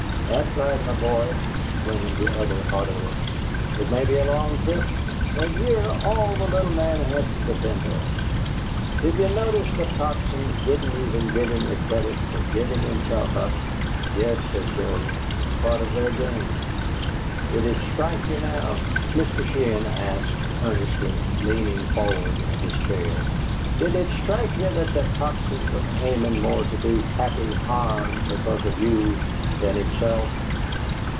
"That's right, my boy," exclaimed the other, heartily, "It may be a long trip, but ye're all the little man has to depend on. Did ye notice the Tocsin didn't even give him the credit fer givin' himself up?" "Yes," said Joe. "It's part of their game." "Did it strike ye now," Mr. Sheehan asked, earnestly, leaning forward in his chair, "did it strike ye that the Tocsin was aimin' more to do Happy harm because of you than himself?"